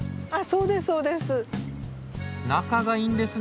そうですそうです。